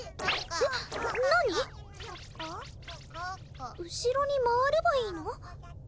ここ後ろに回ればいいの？